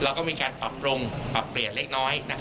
แล้วก็มีการปรับปรุงปรับเปลี่ยนเล็กน้อย